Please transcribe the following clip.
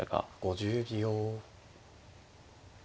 ５０秒。